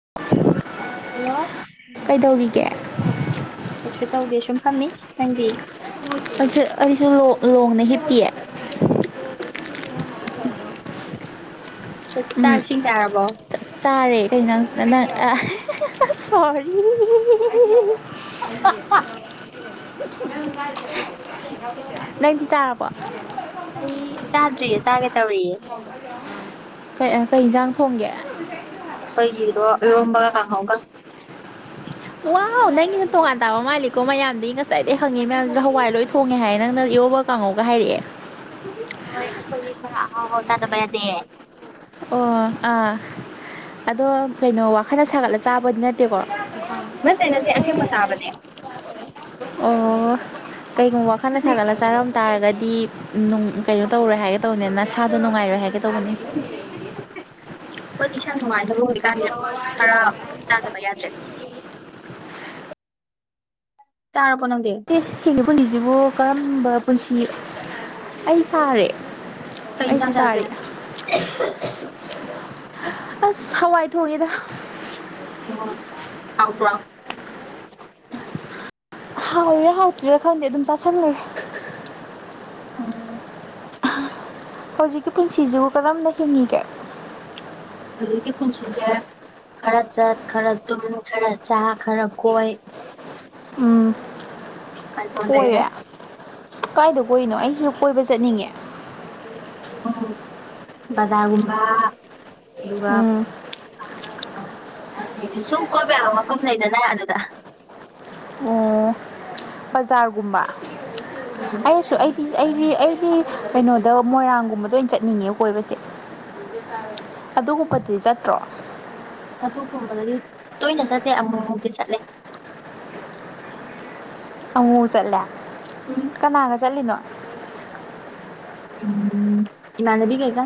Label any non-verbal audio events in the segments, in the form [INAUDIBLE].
[INAUDIBLE] Hello ꯀꯩꯗꯧꯔꯤꯒꯦ ꯀꯩꯁꯨ ꯇꯧꯗꯦ ꯁꯨꯝ ꯐꯝꯃꯤ ꯅꯪꯗꯤ ꯑꯣ ꯑꯩꯁꯨ ꯂꯣꯡꯅ ꯍꯤꯞꯄꯤꯌꯦ ꯑꯣ ꯆꯥꯛ ꯏꯁꯤꯡ ꯆꯥꯔꯕꯣ ꯆꯥꯛ ꯆꯥꯔꯦ ꯀꯩꯅꯣ ꯅ ꯅꯪ ꯁꯣꯔꯤ [INAUDIBLE] ꯅꯪꯗꯤ ꯆꯥꯔꯕꯣ ꯑꯩ ꯆꯥꯗ꯭ꯔꯤꯌꯦ ꯆꯥꯒꯦ ꯇꯧꯔꯤꯌꯦ [INAUDIBLE] ꯀꯩ ꯑ ꯀꯩꯖꯥꯡ ꯊꯣꯡꯒꯦ ꯑꯩꯈꯣꯏꯒꯤꯔꯣ ꯏꯔꯣꯝꯕꯒ ꯀꯥꯡꯍꯧꯒ ꯋꯥ ꯅꯪꯒꯤꯅ ꯇꯣꯉꯥꯟ ꯇꯥꯕ ꯃꯥꯜꯂꯤꯀꯣ ꯃꯌꯥꯝꯗꯤ ꯉꯁꯥꯏꯗꯒꯤ ꯍꯪꯉꯤ ꯃꯌꯥꯝꯁꯤꯅ ꯍꯋꯥꯏ ꯂꯣꯏ ꯊꯣꯡꯉꯦ ꯍꯥꯏ ꯅꯪꯅ ꯏꯔꯣꯕ [UNINTELLIGIBLE] ꯒ ꯍꯥꯏꯔꯛꯑꯦ ꯍꯣꯏ ꯑꯩꯈꯣꯏꯗꯤ ꯈꯔ ꯑꯍꯥꯎ ꯍꯥꯎ ꯆꯥꯗꯕ ꯌꯥꯗꯦ ꯑꯣ ꯑꯥ ꯑꯗꯣ ꯀꯩꯅꯣ ꯋꯥꯈꯜꯅ ꯁꯥꯒꯠꯂ ꯆꯥꯕꯗꯤ ꯅꯠꯇꯦꯀꯣ ꯅꯠꯇꯦ ꯅꯠꯇꯦ ꯑꯁꯦꯡꯕ ꯆꯥꯕꯅꯦ ꯑꯣ ꯀꯩꯒꯨꯝꯕ ꯋꯥꯈꯜꯅ ꯑꯩꯈꯣꯏꯗꯤ ꯁꯥꯒꯠꯂ ꯆꯥꯔꯝ ꯇꯥꯔꯒꯗꯤ ꯅꯨꯡ ꯀꯩꯅꯣ ꯇꯧꯔꯣꯏ ꯍꯥꯏꯒꯦ ꯇꯧꯕꯅꯤ ꯅꯁꯥꯗꯣ ꯅꯨꯡꯉꯥꯏꯔꯣꯏ ꯍꯥꯏꯒꯦ ꯇꯧꯕꯅꯤ ꯑꯩꯈꯣꯏꯗꯤ ꯏꯁꯥ ꯅꯨꯡꯉꯥꯏꯅꯕ ꯍꯧꯖꯤꯛꯀꯥꯟꯗꯤ ꯈꯔ ꯆꯥꯗꯕ ꯌꯥꯗ꯭ꯔꯦ ꯆꯥꯔꯕꯣ ꯅꯪꯗꯤ ꯑꯦ ꯍꯤꯡꯂꯤ ꯄꯨꯟꯁꯤꯁꯤꯕꯨ ꯀꯔꯝꯕ ꯄꯨꯟꯁꯤ ꯑꯩ ꯆꯥꯔꯦ ꯀꯩ ꯑꯩꯗꯤ ꯏꯟꯁꯥꯡ ꯆꯥꯒꯦ ꯆꯥꯔꯤ ꯑꯁ ꯍꯋꯥꯏ ꯊꯣꯡꯏꯗ ꯑꯣ ꯍꯥꯎꯕ꯭ꯔꯣ꯫ ꯍꯥꯎꯔꯤꯔ ꯍꯥꯎꯇ꯭ꯔꯤꯔ ꯈꯪꯗꯦ ꯑꯗꯨꯝ ꯆꯥꯥꯁꯟꯒ꯭ꯔꯦ ꯎꯝ ꯍꯧꯖꯤꯛꯀꯤ ꯄꯨꯟꯁꯤꯖꯤꯕꯨ ꯀꯔꯝꯅ ꯍꯤꯡꯉꯤꯒꯦ ꯍꯧꯖꯤꯛꯀꯤ ꯄꯨꯟꯁꯤꯁꯦ ꯈꯔ ꯆꯠ ꯈꯔ ꯇꯨꯝ ꯈꯔ ꯆꯥ ꯈꯔ ꯀꯣꯏ ꯎꯝ ꯑꯗꯨꯃꯥꯏꯅ ꯇꯧꯔ ꯂꯩꯔꯦ ꯀꯣꯏꯌꯦ ꯀꯥꯏꯗ ꯀꯣꯏꯅꯣ ꯑꯩꯖꯨ ꯀꯣꯏꯕ ꯆꯠꯅꯤꯡꯉꯦ ꯎꯝ ꯕꯖꯥꯔꯒꯨꯝꯕ ꯑꯗꯨꯒ ꯎꯝ ꯑ [UNINTELLIGIBLE] ꯁꯨꯝ ꯀꯣꯏꯕ ꯌꯥꯕ ꯃꯐꯝ ꯂꯩꯗꯅ ꯑꯗꯨꯗ ꯑꯣ ꯕꯖꯥꯔꯒꯨꯝꯕ ꯎꯝ ꯑꯩꯅꯁꯨ ꯑꯩ ꯑꯩꯗꯤ ꯑꯩꯗꯤ ꯀꯩꯅꯣꯗ ꯃꯣꯏꯔꯥꯡꯒꯨꯝꯕꯗ ꯑꯣꯏꯅ ꯆꯠꯅꯤꯡꯉꯦ ꯀꯣꯏꯕꯁꯦ ꯑꯗꯨꯒꯨꯝꯕꯗꯤ ꯆꯠꯇ꯭ꯔꯣ ꯑꯗꯨꯒꯨꯝꯕꯗꯗꯤ ꯇꯣꯏꯅ ꯆꯠꯇꯦ ꯑꯃꯨꯃꯨꯛꯇꯤ ꯆꯠꯂꯦ ꯑꯃꯨꯃꯨ ꯆꯠꯂꯦ ꯎꯝ ꯀꯅꯥꯒ ꯆꯠꯂꯤꯅꯣ ꯎꯝ ꯏꯃꯥꯟꯅꯕꯤꯒꯩꯒ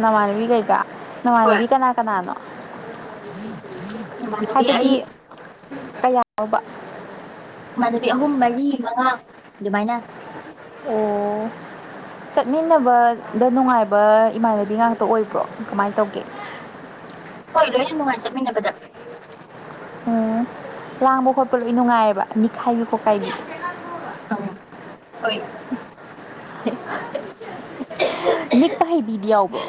ꯅꯃꯥꯟꯅꯕꯤ ꯒꯩꯒ ꯍꯣꯏ ꯅꯃꯥꯟꯅꯕꯤ ꯀꯅꯥ ꯀꯅꯥꯅꯣ ꯏꯃꯥꯟꯅꯕꯤ ꯑꯩ ꯍꯥꯏꯕꯗꯤ ꯀꯌꯥ [UNINTELLIGIBLE] ꯕ ꯏꯃꯥꯟꯅꯕꯤ ꯑꯍꯨꯝ ꯃꯔꯤ ꯃꯉꯥ ꯗꯨꯃꯥꯏꯅ ꯑꯣ ꯆꯠꯃꯤꯟꯅꯕꯗ ꯅꯨꯡꯉꯥꯏꯕ ꯏꯃꯥꯟꯅꯕꯤ ꯉꯥꯛꯇ ꯑꯣꯏꯕ꯭ꯔꯣ ꯀꯃꯥꯏ ꯇꯧꯒꯦ ꯍꯣꯏ ꯂꯣꯏꯅ ꯅꯨꯡꯉꯥꯏ ꯆꯠꯃꯤꯟꯅꯕꯗ ꯑꯣ ꯂꯥꯡꯕ ꯈꯣꯠꯄ ꯂꯣꯏ ꯅꯨꯡꯉꯥꯏꯌꯦꯕ ꯑꯅꯤꯈꯥꯏꯕꯤ ꯈꯣꯀꯥꯏꯕꯤ ꯑꯪ ꯍꯣꯏ ꯅꯤꯛꯄ ꯍꯩꯕꯤꯗꯤ ꯌꯥꯎꯕ꯭ꯔꯣ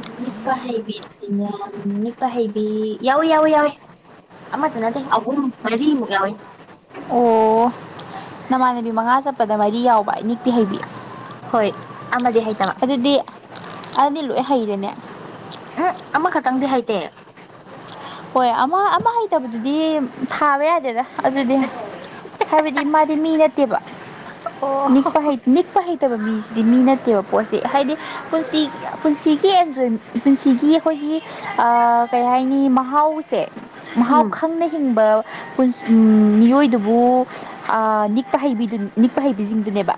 ꯎ ꯅꯤꯛꯄꯥ ꯍꯩꯕꯤꯗꯤꯅꯦ ꯅꯤꯛꯄꯥ ꯍꯩꯕꯤ ꯌꯥꯎꯋꯤ ꯌꯥꯎꯋꯤ ꯌꯥꯎꯋꯤ ꯑꯃꯇ ꯅꯇꯦ ꯑꯍꯨꯝ ꯃꯔꯤꯃꯨꯛ ꯌꯥꯎꯋꯤ ꯑꯣ ꯅꯃꯥꯟꯅꯕꯤ ꯃꯉꯥ ꯆꯠꯄꯗ ꯃꯔꯤ ꯌꯥꯎꯕ ꯅꯤꯛꯄꯤ ꯍꯩꯕꯤ ꯍꯣꯏ ꯑꯃꯗꯤ ꯍꯩꯇꯥꯕ ꯑꯗꯤ ꯂꯣꯏ ꯍꯩꯔꯦꯅꯦ ꯎꯝ ꯑꯃꯈꯛꯇꯪꯗꯤ ꯍꯩꯇꯦ ꯍꯣꯏ ꯑꯃ ꯑꯃ ꯍꯩꯇꯕꯗꯨꯗꯤ ꯊꯥꯕ ꯌꯥꯗꯦꯗ ꯑꯗꯨꯗꯤ ꯍꯥꯏꯕꯗꯤ ꯃꯥꯗꯤ ꯃꯤ ꯅꯠꯇꯦꯕ ꯑꯣ ꯅꯤꯛꯄ ꯅꯤꯛꯄ ꯍꯩ ꯅꯠꯇꯕ ꯃꯤꯁꯤꯗꯤ ꯃꯤ ꯅꯠꯇꯦꯕ ꯄꯣꯠꯁꯤ ꯍꯥꯏꯗꯤ ꯄꯨꯟꯁꯤꯒꯤ ꯄꯨꯟꯁꯤꯒꯤ ꯑꯦꯟꯖꯣꯏ ꯄꯨꯟꯁꯤꯒꯤ ꯑꯩꯈꯣꯏꯒꯤ ꯑ ꯀꯩ ꯍꯥꯏꯅꯤ ꯃꯍꯥꯎꯁꯦ ꯃꯍꯥꯎ ꯎꯝ ꯈꯪꯅ ꯍꯤꯡꯕ ꯄꯨꯟꯁ ꯃꯤꯑꯣꯏꯗꯨꯕꯨ ꯅꯤꯛꯄ ꯍꯩꯕꯤꯗꯨ ꯅꯤꯛꯄ ꯍꯩꯕꯤꯁꯤꯡꯗꯨꯅꯦꯕ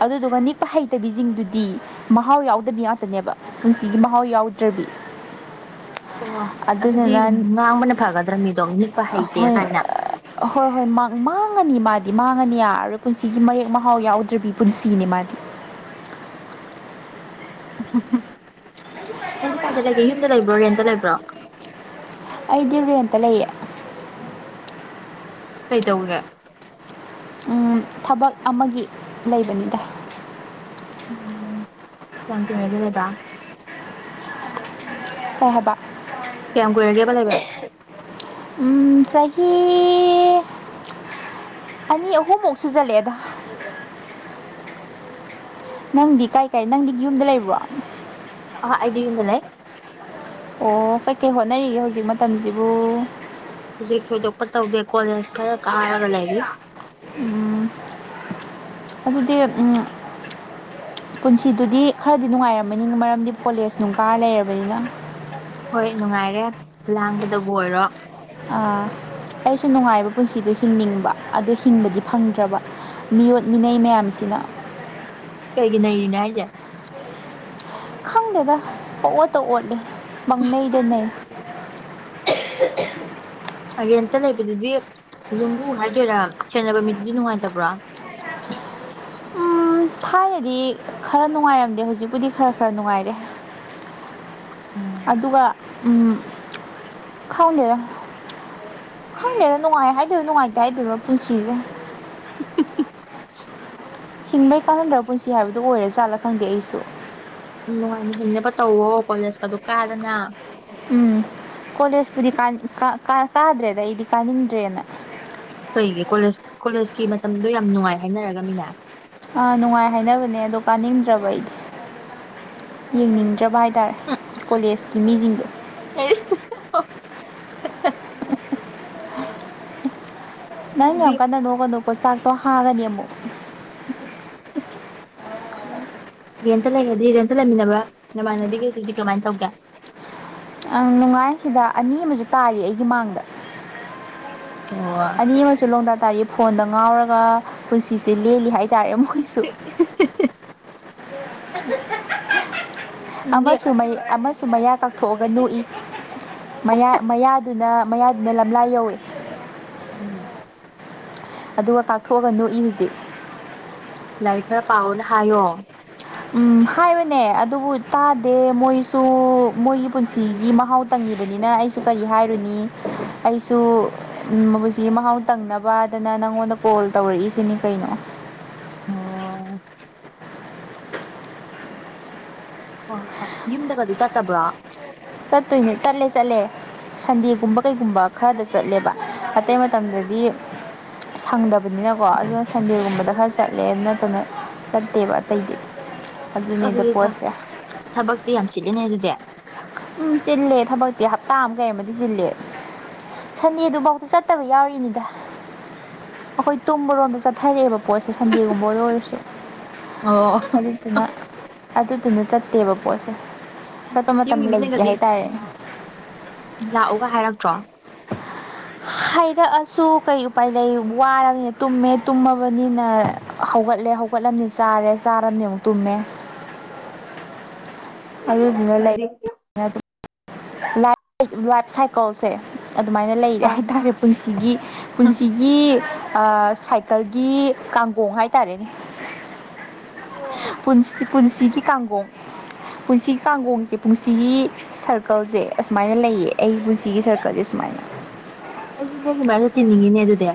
ꯑꯗꯨꯗꯨꯒ ꯅꯤꯛꯄ ꯍꯩꯇꯕꯤꯁꯤꯡꯗꯨꯗꯤ ꯃꯍꯥꯎ ꯌꯥꯎꯗꯕꯤ ꯉꯥꯛꯇꯅꯦꯕ ꯄꯨꯟꯁꯤꯒꯤ ꯃꯍꯥꯎ ꯌꯥꯎꯗ꯭ꯔꯕꯤ ꯑꯣ ꯑꯗꯨꯗꯤ ꯑꯗꯨꯗꯨꯅ ꯉꯥꯡꯕꯅ ꯐꯒꯗ꯭ꯔꯕ ꯃꯤꯗꯣ ꯅꯤꯛꯄ ꯍꯩꯇꯦ ꯍꯣꯏ ꯀꯥꯏꯅ ꯍꯣꯏ ꯍꯣꯏ ꯃꯥꯡꯉꯅꯤ ꯃꯥꯗꯤ ꯃꯥꯡꯉꯅꯤ ꯌꯥꯔꯣꯏ ꯄꯨꯟꯁꯤꯒꯤ ꯃꯔꯦꯛ ꯃꯍꯥꯎ ꯌꯥꯎꯗ꯭ꯔꯕꯤ ꯄꯨꯟꯁꯤꯅꯤ ꯃꯥꯗꯤ ꯅꯪꯗꯤ ꯀꯥꯏꯗ ꯂꯩꯒꯦ ꯌꯨꯝꯗ ꯂꯩꯕ꯭ꯔꯣ ꯔꯦꯟꯇ ꯂꯩꯕ꯭ꯔꯣ ꯑꯩꯗꯤ ꯔꯦꯟꯇ ꯂꯩꯌꯦ ꯀꯩꯇꯧꯔꯤꯒꯦ ꯎꯝ ꯊꯕꯛ ꯑꯃꯒꯤ ꯂꯩꯕꯅꯤꯗ ꯎꯝ ꯀꯌꯥꯝ ꯀꯨꯏꯔꯒꯦ ꯂꯩꯕ ꯀꯩ ꯍꯥꯏꯕ ꯀꯌꯥꯝ ꯀꯨꯏꯔꯒꯦꯕ ꯂꯩꯕ ꯎꯝ ꯆꯍꯤ ꯑꯅꯤ ꯑꯍꯨꯝꯃꯛ ꯁꯨꯖꯜꯂꯛꯑꯦꯗ ꯅꯪꯗꯤ ꯀꯥꯏ ꯀꯥꯏ ꯅꯪꯗꯤ ꯌꯨꯝꯗ ꯂꯩꯕ꯭ꯔꯣ ꯑꯥ ꯑꯩꯗꯤ ꯌꯨꯝꯗ ꯂꯩ ꯑꯣ ꯀꯩꯀꯩ ꯍꯣꯠꯅꯔꯤꯒꯦ ꯍꯧꯖꯤꯛ ꯃꯇꯝꯁꯤꯕꯣ ꯍꯧꯖꯤꯛ ꯊꯣꯏꯗꯣꯛꯄ ꯇꯧꯗꯦ ꯀꯣꯂꯦꯖ ꯈꯔ ꯀꯥꯔꯒ ꯂꯩꯔꯤ ꯎꯝ ꯑꯗꯨꯗꯤ ꯎꯝ ꯄꯨꯟꯁꯤꯗꯨꯗꯤ ꯈꯔꯗꯤ ꯅꯨꯡꯉꯥꯏꯔꯝꯃꯅꯤ ꯃꯔꯝꯗꯤ ꯀꯣꯂꯦꯖ ꯅꯨꯡ ꯀꯥꯔ ꯂꯩꯔꯕꯅꯤꯅ ꯍꯣꯏ ꯅꯨꯡꯉꯥꯏꯔꯦ ꯂꯥꯡꯕꯗꯕꯨ ꯑꯣꯏꯔꯣ ꯑꯩꯁꯨ ꯅꯨꯡꯉꯥꯏꯕ ꯄꯨꯟꯁꯤꯗꯣ ꯍꯤꯡꯅꯤꯡꯕ ꯑꯗꯨ ꯍꯤꯡꯕꯗꯤ ꯐꯪꯗ꯭ꯔꯕ ꯃꯤꯑꯣꯠ ꯃꯤꯅꯩ ꯃꯌꯥꯝꯁꯤꯅ ꯀꯩꯒꯤ ꯅꯩꯔꯤꯅꯣ ꯍꯥꯏꯖꯦ ꯈꯪꯗꯦꯗ ꯄꯪꯑꯣꯠꯇ ꯑꯣꯠꯂꯦ ꯄꯪꯅꯩꯗ ꯅꯩ ꯔꯦꯟꯇ ꯂꯩꯕꯗꯨꯗꯤ ꯌꯨꯝꯕꯨ ꯍꯥꯏꯗꯣꯏꯔ ꯁꯦꯟꯅꯕ ꯃꯤꯗꯨꯗꯤ ꯅꯨꯡꯉꯥꯏꯇꯕ꯭ꯔꯣ ꯎꯝ ꯊꯥꯏꯅꯗꯤ ꯈꯔ ꯅꯨꯡꯉꯥꯏꯔꯝꯗꯦ ꯍꯧꯖꯤꯛꯄꯨꯗꯤ ꯈꯔ ꯈꯔ ꯅꯨꯡꯉꯥꯏꯔꯦ ꯎꯝ ꯑꯗꯨꯒ ꯎꯝ ꯈꯪꯗꯦꯗ ꯈꯪꯗꯦꯗ ꯅꯨꯡꯉꯥꯏ ꯍꯥꯏꯗꯣꯏꯔ ꯅꯨꯡꯉꯥꯏꯇꯦ ꯍꯥꯏꯗꯣꯏꯔ ꯄꯨꯟꯁꯤꯁꯦ [INAUDIBLE] ꯍꯤꯡꯕꯩ ꯀꯥꯟꯅꯗ꯭ꯔꯕ ꯄꯨꯟꯁꯤ ꯍꯥꯏꯕꯗꯨ ꯑꯣꯏꯔ ꯖꯥꯠꯂ ꯈꯪꯗꯦ ꯑꯩꯁꯨ ꯎꯝ ꯅꯨꯡꯉꯥꯏꯅ ꯍꯤꯡꯅꯕ ꯇꯧꯋꯣ ꯀꯣꯂꯦꯖꯀꯗꯨ ꯀꯥꯗꯅ ꯎꯝ ꯀꯣꯂꯦꯖꯄꯨꯗꯤ ꯀꯥꯗ꯭ꯔꯦꯗ ꯑꯩꯗꯤ ꯀꯥꯅꯤꯡꯗ꯭ꯔꯦꯅ ꯀꯩꯒꯤ ꯀꯣꯂꯦꯖ ꯀꯣꯂꯦꯖꯀꯤ ꯃꯇꯝꯗꯣ ꯌꯥꯝ ꯅꯨꯡꯉꯥꯏ ꯍꯥꯏꯅꯔꯒ ꯃꯤꯅ ꯑ ꯅꯨꯡꯉꯥꯏ ꯍꯥꯏꯅꯕꯅꯦ ꯑꯗꯣ ꯀꯥꯅꯤꯡꯗ꯭ꯔꯕ ꯑꯩꯗꯤ ꯌꯦꯡꯅꯤꯡꯗ꯭ꯔꯕ ꯍꯥꯏ ꯇꯥꯔꯦ ꯍꯝ ꯀꯣꯂꯦꯖꯀꯤ ꯃꯤꯖꯤꯡꯖꯦ [UNINTELLIGIBLE] ꯅꯪ ꯑꯗꯨꯗꯤ ꯌꯥꯝ ꯀꯟꯅ ꯅꯣꯛꯀꯅꯨꯀꯣ ꯆꯥꯛꯇꯣ ꯍꯥꯥꯒꯅꯤ ꯑꯃꯨꯛ ꯎꯝ ꯔꯦꯟꯇ ꯂꯩꯔꯗꯤ ꯔꯦꯟꯇ ꯂꯩꯃꯤꯟꯅꯕ ꯅꯃꯥꯟꯅꯕꯤꯈꯩꯗꯨꯗꯤ ꯀꯃꯥꯏ ꯇꯧꯒꯦ ꯎꯝ ꯅꯨꯡꯉꯥꯏ ꯁꯤꯗ ꯑꯅꯤ ꯑꯃꯁꯨ ꯇꯥꯔꯤ ꯑꯩꯒꯤ ꯃꯥꯡꯗ ꯑꯣ ꯑꯅꯤ ꯑꯃꯁꯨ ꯁꯨ ꯂꯣꯡꯗꯥ ꯇꯥꯔꯤ ꯐꯣꯟꯗ ꯉꯥꯎꯔꯒ ꯄꯨꯟꯁꯤꯁꯦ ꯂꯦꯜꯂꯤ ꯍꯥꯏꯇꯥꯔꯦ ꯃꯣꯏꯁꯨ꯫ ꯅꯪꯗꯤ ꯑꯃꯁꯨ ꯃꯩ ꯑꯃꯁꯨ ꯃꯌꯥ ꯀꯥꯊꯣꯛꯑꯒ ꯅꯣꯛꯏ꯫ ꯃꯌꯥ ꯃꯌꯥꯗꯨꯅ ꯃꯌꯥꯗꯨꯅ ꯂꯝꯂꯥꯏ ꯌꯧꯋꯤ ꯎꯝ ꯑꯗꯨꯒ ꯀꯥꯊꯣꯛꯑꯒ ꯅꯣꯛ ꯏ ꯍꯨꯖꯤꯛ꯫ ꯂꯥꯏꯔꯤꯛ ꯈꯔ ꯄꯥꯎꯅ ꯍꯥꯏꯌꯣ꯫ ꯎꯝ ꯍꯥꯏꯕꯅꯦ ꯑꯗꯨꯕꯨ ꯇꯥꯗꯦ ꯃꯣꯏꯁꯨ ꯃꯣꯏꯒꯤ ꯄꯨꯟꯁꯤꯒꯤ ꯃꯍꯥꯎ ꯇꯪꯉꯤꯕꯅꯤꯅ ꯑꯩꯁꯨ ꯀꯔꯤ ꯍꯥꯏꯔꯨꯅꯤ ꯑꯩꯁꯨ ꯃꯕꯨꯕꯁꯤ ꯃꯍꯥꯎ ꯇꯪꯅꯕꯗꯅ ꯅꯪꯉꯣꯟꯗ ꯀꯣꯜ ꯇꯧꯔꯛꯏꯁꯤꯅꯤ ꯀꯩꯅꯣ ꯑꯣ ꯍꯣ ꯍꯣꯏ ꯌꯨꯝꯗꯒꯗꯤ ꯆꯠꯇꯕ꯭ꯔꯣ? ꯆꯠꯇꯣꯏꯅꯦ ꯆꯠꯂꯦ ꯆꯠꯂꯦ ꯁꯟꯗꯦꯒꯨꯝꯕ ꯀꯩꯒꯨꯝꯕ ꯈꯔꯗ ꯆꯠꯂꯦꯕ ꯑꯇꯩ ꯃꯇꯝꯗꯗꯤ ꯁꯪꯗꯕꯅꯤꯅꯀꯣ ꯑꯗꯨꯅ ꯁꯟꯗꯦꯒꯨꯝꯕꯗ ꯈꯔ ꯆꯠꯂꯦ ꯑꯗꯨ ꯅꯠꯇꯅ ꯆꯠꯇꯦꯕ ꯑꯇꯩꯗꯤ ꯑꯗꯨꯅꯤꯗ ꯑꯗꯨꯗꯤ ꯊꯥ ꯄꯣꯠꯁꯦ ꯊꯕꯛꯇꯤ ꯌꯥꯝ ꯆꯤꯜꯂꯦꯅꯦ ꯑꯗꯨꯗꯤ꯫ ꯎꯝ ꯆꯤꯜꯂꯦ ꯊꯕꯛꯇꯤ ꯍꯞꯇꯥ ꯑꯃ ꯀꯩ ꯑꯃꯗꯤ ꯆꯤꯜꯂꯦ꯫ ꯁꯟꯗꯦꯗꯨꯕꯥꯎꯗ ꯆꯠꯇꯕ ꯌꯥꯎꯔꯤꯅꯤꯗ꯫ ꯑꯈꯣꯏ ꯇꯨꯝꯕꯔꯣꯝꯗ ꯆꯠꯊꯔꯛꯑꯦꯕ ꯄꯣꯠꯁꯦ ꯁꯟꯗꯦꯒꯨꯝꯕꯗ ꯑꯣꯏꯔꯁꯨ꯫ ꯑꯣ ꯑꯗꯨꯗꯨꯅ ꯑꯗꯨꯗꯨꯅ ꯆꯠꯇꯦꯕ ꯄꯣꯠꯁꯦ꯫ ꯆꯠꯄ ꯌꯨꯝꯒꯤ ꯃꯇꯝ ꯃꯤꯅꯒꯗꯤ [UNINTELLIGIBLE] ꯂꯥꯛꯎꯒ ꯍꯥꯏꯔꯛꯇ꯭ꯔꯣ? ꯍꯥꯏꯔꯛꯑꯁꯨ ꯀꯩ ꯎꯄꯥꯏ ꯂꯩ ꯋꯥꯔꯕꯅꯤꯅ ꯇꯨꯝꯃꯦ ꯇꯨꯝꯃꯕꯅꯤꯅ ꯍꯧꯒꯠꯂꯦ ꯍꯧ ꯍꯧꯒꯠꯂꯃꯤꯅ ꯆꯥꯔꯦ ꯆꯥꯔꯅꯤꯅ ꯑꯃꯨꯛ ꯇꯨꯝꯃꯦ꯫ ꯑꯁ ꯑꯗꯨꯅ ꯂꯩ ꯑꯩꯗꯤ [UNINTELLIGIBLE] ꯂꯥꯏꯞ ꯁꯥꯏꯀꯜꯁꯦ ꯑꯗꯨꯃꯥꯏꯅ ꯂꯩꯔꯦ ꯑ ꯍꯥꯏꯇꯥꯔꯦ ꯄꯨꯟꯁꯤꯒꯤ ꯄꯨꯟꯁꯤ ꯒꯤ ꯑꯥ ꯁꯥꯏꯀꯜꯒꯤ ꯀꯥꯡꯒꯣꯡ ꯍꯥꯏꯇꯥꯔꯦꯅꯦ ꯑꯣ ꯄꯨꯟꯁꯤ ꯄꯨꯟꯁꯤꯒꯤ ꯀꯥꯡꯒꯣꯡ ꯄꯨꯟꯁꯤꯒꯤ ꯀꯥꯡꯒꯣꯡꯁꯦ ꯄꯨꯟꯁꯤꯒꯤ ꯁꯔꯀꯜꯁꯦ ꯑꯁꯨꯃꯥꯏꯅ ꯂꯩꯌꯦ ꯑꯩꯒꯤ ꯄꯨꯟꯁꯤꯒꯤ ꯁꯔꯀꯜꯁꯦ ꯁꯨꯃꯥꯏꯅ ꯑꯩꯁꯨ ꯅꯣꯏꯒꯤ ꯃꯔꯛꯇ ꯇꯤꯟꯅꯤꯡꯉꯤꯅꯦ ꯑꯗꯨꯗꯤ꯫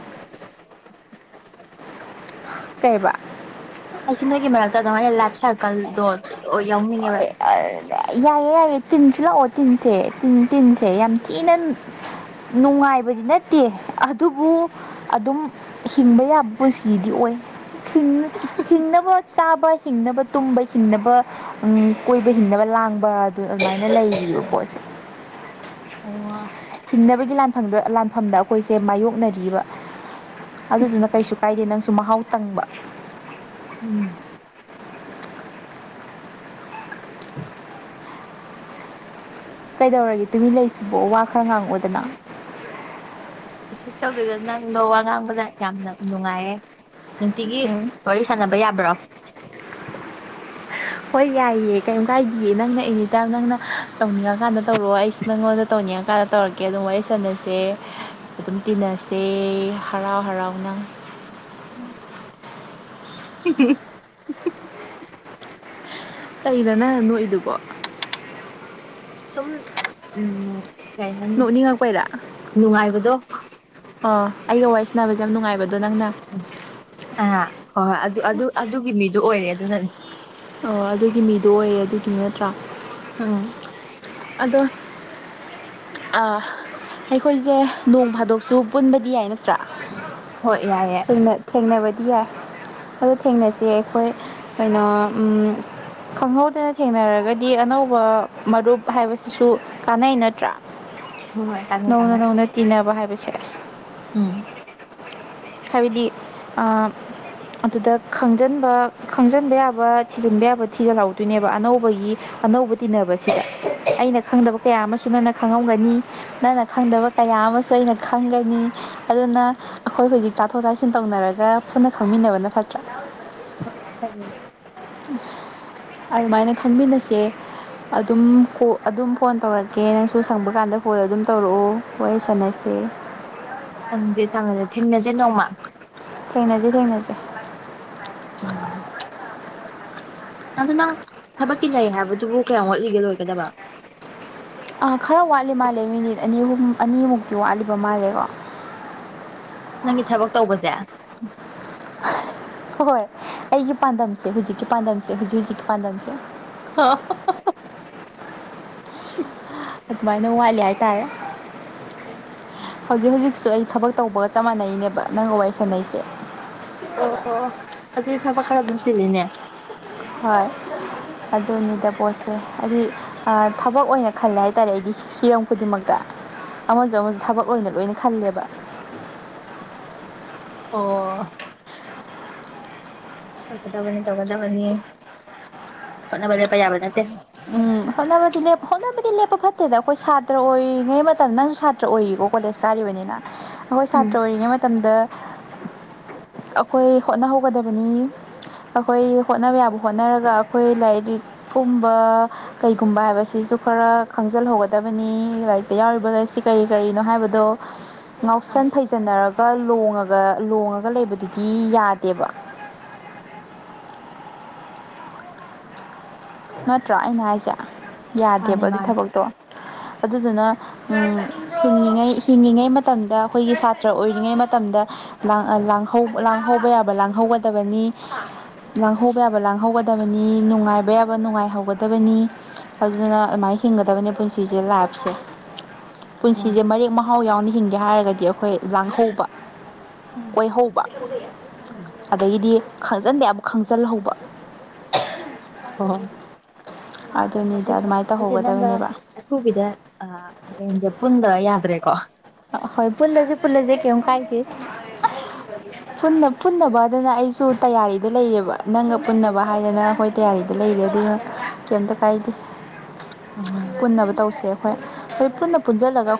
ꯀꯩꯑꯕ ꯑꯩꯁꯨ ꯅꯣꯏꯒꯤ ꯃꯔꯛꯇ ꯑꯗꯨꯃꯥꯏꯅ ꯂꯥꯏꯐ ꯁꯥꯔꯀꯜꯗꯣ ꯌꯥꯎꯅꯤꯡꯉꯦꯕ꯫ ꯑꯥ ꯌꯥꯏꯌꯦ ꯌꯥꯏꯌꯦ ꯇꯤꯟꯁꯨ ꯂꯥꯛꯑꯣ ꯇꯤꯟꯁꯦ ꯇꯤꯟꯁꯦ ꯌꯥꯝ ꯊꯤꯅ ꯅꯨꯡꯉꯥꯏꯕꯗꯤ ꯅꯠꯇꯦ ꯑꯗꯨꯕꯨ ꯑꯗꯨꯝ ꯍꯤꯡꯕ ꯌꯥꯕ ꯄꯨꯟꯁꯤꯗꯤ ꯑꯣꯏ꯫ ꯍꯤꯡ ꯍꯤꯡꯅꯕ ꯆꯥꯕ ꯍꯤꯡꯅꯕ ꯇꯨꯝꯕ ꯍꯤꯡꯅꯕ ꯎꯝ ꯀꯣꯏꯕ ꯍꯤꯡꯅꯕ ꯂꯥꯡꯕ ꯑꯗꯨ ꯑꯗꯨꯃꯥꯏꯅ ꯂꯩꯔꯤꯕ ꯄꯣꯠꯁꯦ꯫ ꯑꯣ ꯋꯥ ꯍꯤꯡꯅꯕꯒꯤ ꯂꯥꯟꯐꯝꯗ ꯂꯥꯟꯐꯝꯗ ꯑꯈꯣꯏꯁꯦ ꯃꯥꯥꯏꯌꯣꯛꯅꯔꯤꯕ꯫ ꯑꯗꯨꯗꯨꯅ ꯀꯩꯁꯨ ꯀꯥꯏꯗꯦ ꯅꯪꯁꯨ ꯃꯍꯥꯎ ꯇꯪꯕ꯫ ꯎꯝ [UNINTELLIGIBLE] ꯀꯩꯗꯧꯔꯒꯦ ꯇꯨꯃꯤꯟꯅ ꯂꯩꯁꯤꯕꯣ ꯋꯥ ꯈꯔ ꯉꯥꯡꯉꯛꯑꯣꯗꯅ꯫ ꯀꯩꯁꯨ ꯇꯧꯗꯦꯗ ꯅꯪꯗꯣ ꯋꯥ ꯉꯥꯡꯕꯗ ꯌꯥꯝꯅ ꯅꯨꯡꯉꯥꯏꯌꯦ ꯅꯨꯡꯇꯤꯒꯤ ꯎꯝ ꯋꯥꯔꯤ ꯁꯥꯟꯅꯕ ꯌꯥꯕ꯭ꯔꯣ? ꯍꯣꯏ ꯌꯥꯏꯌꯦ ꯀꯩꯝ ꯀꯥꯏꯗꯤꯌꯦ ꯅꯪꯅ ꯑꯦꯅꯤꯇꯥꯏꯝ ꯅꯪꯅ ꯇꯧꯅꯤꯡꯉꯀꯥꯟꯗ ꯇꯧꯔꯣꯑꯣ ꯑꯩꯁꯨ ꯅꯪꯉꯣꯟꯗ ꯇꯧꯅꯤꯡꯉꯀꯥꯟꯗ ꯇꯧꯔꯛꯀꯦ ꯑꯗꯨꯝ ꯋꯥꯔꯤ ꯁꯥꯟꯅꯁꯦ ꯑꯗꯨꯝ ꯇꯤꯟꯅꯁꯦ ꯍꯔꯥꯎ ꯍꯔꯥꯎꯅ꯫ ꯎꯝ [UNINTELLIGIBLE] ꯀꯔꯤꯅꯣ ꯅꯪꯅ ꯅꯣꯛꯏꯗꯨꯕꯣ? ꯁꯨꯝ ꯎꯝ ꯀꯩ ꯍꯥꯏꯅꯤ ꯅꯣꯛꯅꯤꯡꯉꯛꯄꯩꯔꯥ ꯅꯨꯡꯉꯥꯏꯕꯗꯣ꯫ ꯑꯣ ꯑꯩꯒ ꯋꯥꯔꯤ ꯁꯥꯟꯅꯕꯖꯦ ꯌꯥꯝ ꯅꯨꯡꯉꯥꯏꯕꯗꯣ ꯅꯪꯅ ꯑꯥ ꯍꯣꯏ ꯍꯣꯏ ꯑꯗꯨ ꯑꯗꯨ ꯑꯗꯨꯒꯤ ꯃꯤꯗꯨ ꯑꯣꯏꯔꯦ ꯑꯗꯨꯅꯅꯤ꯫ ꯑꯣ ꯑꯗꯨꯒꯤ ꯃꯤꯗꯣ ꯑꯣꯏꯔꯦ ꯑꯗꯨꯗꯨꯅ ꯅꯠꯇ꯭ꯔꯥ? ꯎꯝ ꯑꯗꯣ, ꯑꯩꯈꯣꯏꯖꯦ ꯅꯣꯡ ꯐꯥꯗꯣꯛꯁꯨ ꯄꯨꯟꯕꯗꯤ ꯌꯥꯏ ꯅꯠꯇ꯭ꯔꯥ ꯍꯣꯏ ꯌꯥꯏꯌꯦ ꯊꯦꯡꯅꯕꯗꯤ ꯌꯥꯏ꯫ ꯑꯗꯨ ꯊꯦꯡꯅꯁꯤ ꯑꯩꯈꯣꯏ ꯀꯩꯅꯣ ꯎꯝ, ꯈꯪꯍꯧꯗꯅ ꯊꯦꯡꯅꯔꯒꯗꯤ ꯑꯅꯧꯕ ꯃꯔꯨꯞ ꯍꯥꯏꯕꯁꯤꯁꯨ ꯀꯥꯟꯅꯩ, ꯅꯠꯇ꯭ꯔꯥ? ꯍꯣꯏ ꯍꯣꯏ ꯀꯥꯟꯅꯩ ꯅꯧꯅ ꯀꯥꯟꯅꯩ ꯅꯧꯅ ꯇꯤꯟꯅꯕ ꯍꯥꯏꯕꯁꯦ꯫ ꯎꯝ ꯍꯥꯏꯕꯗꯤ ꯑꯥ ꯑꯗꯨꯗ ꯈꯪꯖꯤꯟꯕ ꯈꯪꯖꯤꯟꯕ ꯌꯥꯕ ꯊꯤꯖꯤꯟꯕ ꯌꯥꯕ ꯊꯤꯖꯤꯜꯍꯧꯗꯣꯏꯅꯦꯕ ꯑꯅꯧꯕꯒꯤ ꯑꯅꯧꯕ ꯇꯤꯟꯅꯕꯁꯤꯗ ꯑꯩꯅ ꯈꯪꯗꯕ ꯀꯌꯥ ꯑꯃꯁꯨ ꯅꯪꯅ ꯈꯪꯍꯧꯒꯅꯤ꯫ ꯅꯪꯅ ꯈꯪꯗꯕ ꯀꯌꯥ ꯑꯃꯁꯨ ꯑꯩꯅ ꯈꯪꯒꯅꯤ ꯑꯗꯨꯅ ꯑꯩꯈꯣꯏ ꯍꯨꯖꯤꯛ ꯆꯥꯊꯣꯛ ꯇꯥꯁꯤꯟ ꯇꯧꯅꯔꯒ ꯄꯨꯟꯅ ꯈꯪꯃꯤꯟꯅꯕꯅ ꯐꯠꯇ꯭ꯔꯥ꯫ ꯍꯣꯏ ꯐꯩꯌꯦ꯫ ꯑꯗꯨꯃꯥꯏꯅ ꯈꯪꯃꯤꯟꯅꯁꯦ꯫ ꯑꯗꯨꯝ ꯑꯗꯨꯝ ꯐꯣꯟ ꯇꯧꯔꯛꯀꯦ ꯅꯪꯁꯨ ꯁꯪꯕ ꯀꯥꯟꯗ ꯐꯣꯟ ꯑꯗꯨꯝ ꯇꯧꯔꯛꯑꯣ ꯋꯥꯔꯤ ꯁꯥꯟꯅꯁꯦ꯫ ꯁꯥꯟꯅꯕ ꯁꯥꯟꯅꯁꯦ ꯊꯦꯡꯅꯁꯦ ꯅꯣꯡꯃ꯫ ꯊꯦꯡꯅꯁꯦ ꯊꯦꯡꯅꯁꯦ꯫ ꯎꯝ ꯑꯗꯨ ꯅꯪ ꯊꯕꯛꯀꯤ ꯂꯩ ꯍꯥꯏꯕꯗꯨꯕꯨ ꯀꯌꯥꯝ ꯋꯥꯠꯂꯤꯒꯦ ꯂꯣꯏꯒꯗꯕ? ꯑꯥ ꯈꯔ ꯋꯥꯠꯂꯤ ꯃꯥꯜꯂꯦ ꯃꯤꯅꯤꯠ ꯑꯅꯤ ꯑꯍꯨꯝ ꯑꯅꯤꯃꯨꯛꯇꯤ ꯋꯥꯠꯂꯤꯕ ꯃꯥꯜꯂꯦꯀꯣ꯫ ꯅꯪꯒꯤ ꯊꯕꯛ ꯇꯧꯕꯁꯦ꯫ ꯍꯣꯏ ꯑꯩꯒꯤ ꯄꯥꯟꯗꯝꯁꯦ ꯍꯧꯖꯤꯛꯀꯤ ꯄꯥꯟꯗꯝꯁꯦ ꯍꯧꯖꯤꯛ ꯍꯧꯖꯤꯛꯀꯤ ꯄꯥꯟꯗꯝꯁꯦ꯫ [UNINTELLIGIBLE] ꯑꯗꯨꯃꯥꯏꯅ ꯋꯥꯠꯂꯤ ꯍꯥꯏꯇꯥꯔꯦ꯫ ꯎꯝ ꯍꯧꯖꯤꯛ ꯍꯧꯖꯤꯛꯁꯨ ꯑꯩ ꯊꯕꯛ ꯇꯧꯕ- ꯆꯞ ꯃꯥꯟꯅꯩꯅꯦꯕ ꯅꯪꯒ ꯋꯥꯔꯤ ꯁꯥꯟꯅꯩꯁꯦ꯫ ꯑꯣ ꯑꯗꯨꯗꯤ ꯊꯕꯛ ꯈꯔ ꯑꯗꯨꯝ ꯆꯤꯜꯂꯤꯅꯦ꯫ ꯍꯣꯏ ꯑꯗꯨꯅꯤꯗ ꯄꯣꯠꯁꯦ ꯍꯥꯏꯗꯤ ꯑꯥ ꯊꯕꯛ ꯑꯣꯏꯅ ꯈꯜꯂꯦ ꯍꯥꯏꯇꯥꯔꯦ ꯑꯩꯗꯤ ꯍꯤꯔꯝ ꯈꯨꯗꯤꯡꯃꯛꯇ꯫ ꯑꯃꯁꯨ ꯑꯃꯁꯨ ꯊꯕꯛ ꯑꯣꯏꯅ ꯂꯣꯏꯅ ꯈꯜꯂꯦꯕ꯫ ꯑꯣ꯫ ꯇꯧꯒꯗꯕꯅꯤ ꯇꯧꯒꯗꯕꯅꯤ ꯍꯣꯠꯅꯕ ꯂꯦꯞꯄ ꯌꯥꯕ ꯅꯠꯇꯦ꯫ ꯎꯝ ꯍꯣꯠꯅꯕꯗꯤ ꯂꯦꯞꯄ ꯍꯣꯠꯅꯕꯗꯤ ꯂꯦꯞꯄ ꯐꯠꯇꯦꯗ ꯑꯩꯈꯣꯏ ꯁꯥꯇ꯭ꯔ ꯑꯣꯏꯔꯤꯉꯩ ꯃꯇꯝꯗ ꯅꯪꯁꯨ ꯁꯥꯇ꯭ꯔ ꯑꯣꯏꯔꯤꯀꯣ ꯀꯣꯂꯦꯖ ꯀꯥꯔꯤꯕꯅꯤꯅ ꯑꯈꯣꯏ ꯎꯝ ꯁꯥꯇ꯭ꯔ ꯑꯣꯏꯔꯤꯉꯩ ꯃꯇꯝꯗ ꯑꯈꯣꯏ ꯍꯣꯠꯅꯍꯧꯒꯗꯕꯅꯤ꯫ ꯑꯈꯣꯏ ꯍꯣꯠꯅꯕ ꯌꯥꯕ ꯍꯣꯠꯅꯔꯒ ꯑꯈꯣꯏ ꯂꯥꯏꯔꯤꯛ ꯀꯨꯝꯕ, ꯀꯩꯒꯨꯝꯕ ꯍꯥꯏꯕꯁꯤꯁꯨ ꯈꯔ ꯈꯪꯖꯤꯜ ꯍꯧꯒꯗꯕꯅꯤ ꯂꯥꯏꯔꯤꯛꯇ ꯌꯥꯎꯔꯤꯕ ꯂꯥꯏꯔꯤꯁꯤ ꯀꯔꯤ ꯀꯔꯤꯅꯣ ꯍꯥꯏꯕꯗꯣ ꯑꯥ ꯉꯥꯎꯁꯟ ꯐꯩꯖꯟꯅꯔꯒ ꯂꯣꯡꯉꯒ ꯂꯣꯡꯉꯒ ꯂꯩꯕꯗꯨꯗꯤ ꯌꯥꯗꯦꯕ ꯅꯠꯇ꯭ꯔꯥ ꯑꯩꯅ ꯍꯥꯏꯁꯦ ꯃꯥꯅꯦ ꯌꯥꯗꯦꯕ ꯑꯗꯨꯏ ꯃꯥꯅꯦ ꯊꯥꯕꯛꯇꯣ ꯑꯗꯨꯗꯨꯅ ꯑꯝ ꯍꯤꯡꯉꯤ ꯉꯩ ꯍꯤꯡꯂꯤꯉꯩ ꯃꯇꯝꯗ ꯑꯩꯈꯣꯏꯒꯤ ꯁꯥꯇ꯭ꯔ ꯑꯣꯏꯔꯤꯉꯩ ꯃꯇꯝꯗ ꯂꯥꯡ ꯂꯥꯡꯍꯧꯕ ꯌꯥꯕ ꯂꯥꯡꯍꯧꯒꯗꯕꯅꯤ ꯂꯥꯡꯍꯧꯕ ꯌꯥꯕ ꯂꯥꯡꯍꯧꯒꯗꯕꯅꯤ ꯅꯨꯡꯉꯥꯏꯕ ꯌꯥꯕ ꯅꯨꯡꯉꯥꯏ ꯍꯧꯒꯗꯕꯅꯤ ꯑꯗꯨꯅ ꯑꯗꯨꯃꯥꯏꯟ ꯍꯤꯡꯒꯗꯕꯅꯦ ꯄꯨꯟꯁꯤꯁꯦ ꯂꯥꯏꯐꯁꯦ ꯑꯣ ꯄꯨꯟꯁꯤꯁꯦ ꯃꯔꯦꯛ ꯃꯍꯥꯎ ꯌꯥꯎꯅ ꯍꯤꯡꯒꯦ ꯍꯥꯏꯔꯒꯗꯤ ꯑꯩꯈꯣꯏ ꯂꯥꯡꯍꯧꯕ ꯎꯝ ꯑꯣꯏꯍꯧꯕ ꯎꯝ ꯑꯗꯩꯒꯤꯗꯤ ꯈꯪꯖꯤꯟꯕ ꯌꯥꯕ ꯈꯪꯖꯤꯜꯍꯧꯕ ꯑꯣ ꯑꯗꯨꯅꯤꯗ ꯑꯗꯨꯃꯥꯏꯟ ꯑꯩꯁꯦ ꯅꯪꯒ ꯇꯧꯍꯧꯒꯗꯕꯅꯦꯕ ꯑꯊꯨꯕꯤꯗ ꯍꯣꯔꯦꯟꯁꯦ ꯄꯨꯟꯗꯕ ꯌꯥꯗ꯭ꯔꯦꯀꯣ ꯍꯣꯏ ꯄꯨꯜꯂꯁꯦ ꯄꯨꯜꯂꯁꯦ ꯀꯤꯝ ꯀꯥꯏꯗꯦ ꯄꯨꯟꯅ ꯄꯨꯟꯅꯕꯗꯨꯅ ꯑꯩꯁꯨ ꯇꯌꯥꯔꯤꯗ ꯂꯩꯌꯦꯕ ꯅꯪꯒ ꯄꯨꯟꯅꯕ ꯍꯥꯏꯗꯅ ꯍꯣꯏ ꯇꯌꯥꯔꯤꯗ ꯂꯩꯔꯦ ꯑꯗꯨꯒ ꯀꯩꯝꯇ ꯀꯥꯏꯗꯦ ꯎꯝ ꯄꯨꯟꯅꯕ ꯇꯧꯁꯦ ꯑꯩꯈꯣꯏ ꯑꯩꯈꯣꯏ ꯄꯨꯟꯅ ꯄꯨꯟꯁꯤꯜꯂꯒ ꯑꯩꯈꯣꯏ